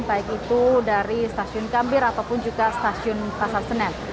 baik itu dari stasiun kambir ataupun juga stasiun pasar senen